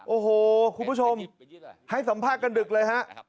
โอ้โหคุณผู้ชมให้สัมภาษณ์กันดึกเลยฮะ